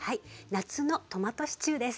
夏のトマトシチューです。